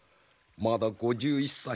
まだ５１歳。